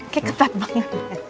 kayak ketat banget